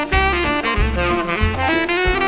สวัสดีครับ